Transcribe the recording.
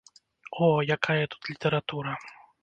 О, якая тут літаратура!